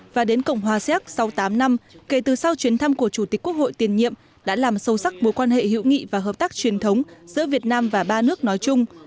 và đến cộng hòa xéc sau tám năm kể từ sau chuyến thăm của chủ tịch quốc hội tiền nhiệm đã làm sâu sắc mối quan hệ hữu nghị và hợp tác truyền thống giữa việt nam và ba nước nói chung